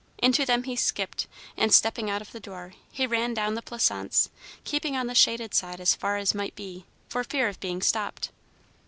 Into them he skipped, and, stepping out of the door, he ran down the Plaisance, keeping on the shaded side as far as might be, for fear of being stopped.